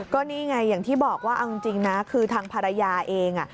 ก็นี่ไงอย่างที่บอกว่าเอาจริงนะคือทางภรรยาเอง